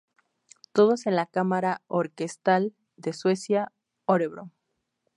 Todas en la Cámara Orquestal de Suecia, Örebro.